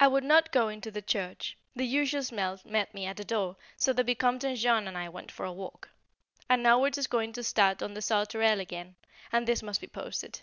I would not go into the church: the usual smell met me at the door; so the Vicomte and Jean and I went for a walk, and now we are just going to start on the Sauterelle again, and this must be posted.